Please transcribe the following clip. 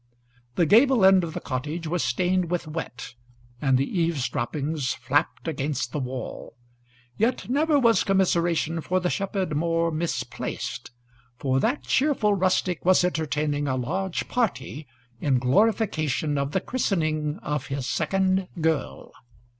The gable end of the cottage was stained with wet, and the eaves droppings flapped against the wall. Yet never was commiseration for the shepherd more misplaced. For that cheerful rustic was entertaining a large party in glorification of the christening of his second girl.